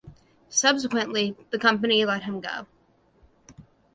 Subsequently the company let him go.